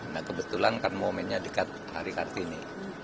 nah kebetulan kan momennya dekat hari kartini